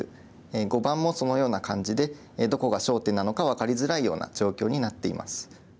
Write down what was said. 碁盤もそのような感じでどこが焦点なのか分かりづらいような状況になっています。